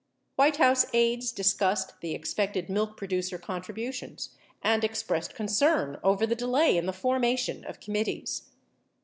White House aides discussed the expected milk producer contribu tions and expressed concern over the delay in the formation of com mittees.